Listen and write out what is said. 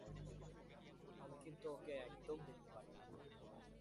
আমি কিন্তু ওকে একদম দেখতে পারি না।